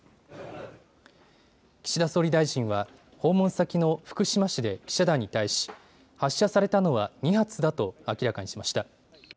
岸田総理大臣は訪問先の福島市で記者団に対し、発射されたのは２発だと明らかにしました。